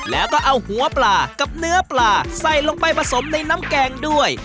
แล้วก็เอาหัวปลากับเนื้อปลาใส่ลงไปผสมในน้ำแกงด้วย